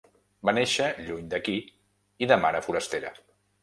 Va néixer lluny d’aquí, i de mare forastera.